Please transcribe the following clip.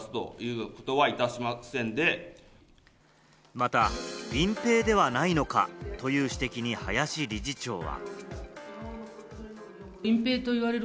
また隠蔽ではないのか？という指摘に林理事長は。